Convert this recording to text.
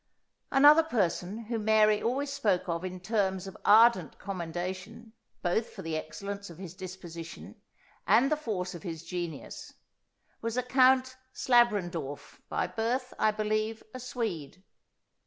Another person, whom Mary always spoke of in terms of ardent commendation, both for the excellence of his disposition, and the force of his genius, was a count Slabrendorf, by birth, I believe, a Swede.